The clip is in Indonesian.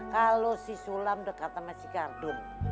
kalo si sulam dekat sama si gardung